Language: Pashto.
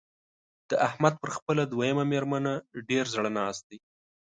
د احمد پر خپله دويمه مېرمنه ډېر زړه ناست دی.